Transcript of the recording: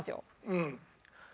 うん。